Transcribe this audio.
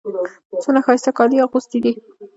څونه ښایسته کالي يې اغوستي دي.